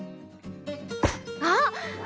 あっ！